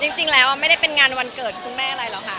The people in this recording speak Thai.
จริงแล้วไม่ได้เป็นงานวันเกิดคุณแม่อะไรหรอกค่ะ